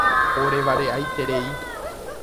Orevare'aiterei.